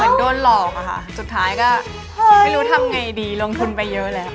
โดนหลอกอะค่ะสุดท้ายก็ไม่รู้ทำไงดีลงทุนไปเยอะแล้ว